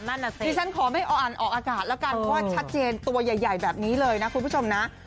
นั่นน่ะสิดิฉันขอไม่อ่านออกอากาศแล้วกันเพราะว่าชัดเจนตัวใหญ่แบบนี้เลยนะคุณผู้ชมนะ